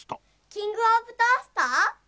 キングオブトースト？